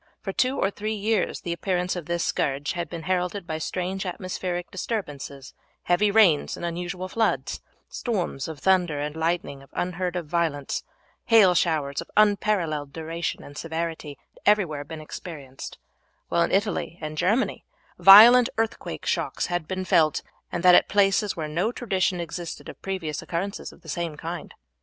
For two or three years the appearance of this scourge had been heralded by strange atmospheric disturbances; heavy rains and unusual floods, storms of thunder and lightning of unheard of violence, hail showers of unparalleled duration and severity, had everywhere been experienced, while in Italy and Germany violent earthquake shocks had been felt, and that at places where no tradition existed of previous occurrences of the same kind.